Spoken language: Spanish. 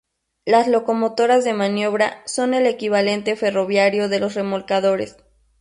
Las locomotoras de maniobra son el equivalente ferroviario de los remolcadores.